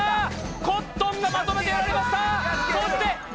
コットンがまとめてやられました！